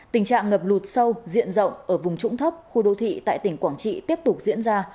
tình trạng ngập lụt sâu diện rộng ở vùng trũng thấp khu đô thị tại tỉnh quảng trị tiếp tục diễn ra